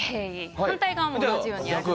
反対側も同じように。